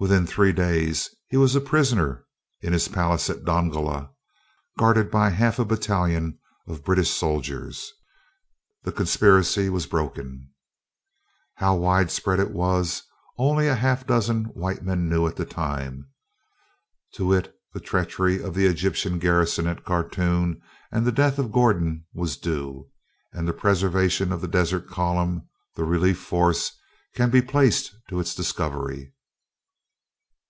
Within three days he was a prisoner in his palace at Dongola, guarded by half a battalion of British soldiers. The conspiracy was broken. "How widespread it was, only half a dozen white men knew at the time. ... To it the treachery of the Egyptian garrison at Khartoum and the death of Gordon was due, and the preservation of the Desert Column (the relief force), can be placed to its discovery."